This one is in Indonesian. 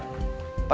kalau mau cepat